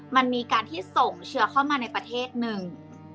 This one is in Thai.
มันมีการที่ส่งเชื้อเข้ามาในประเทศหนึ่ง